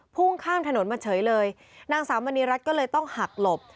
พุ่งข้ามถนนมาเฉยเลยนางสาวมณีรัฐก็เลยต้องหักหลบ